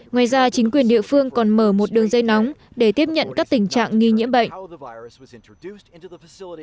ngoài ra chính quyền địa phương còn mở một đường dây nóng để tiếp nhận các tình trạng nghi nhiễm bệnh